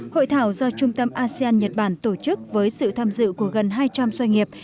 hội thảo do trung tâm asean nhật bản tổ chức với sự tham dự của gần hai trăm linh doanh nghiệp